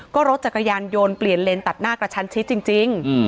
ก็รถจักรยานยนต์เปลี่ยนเลนตัดหน้ากระชันชิดจริง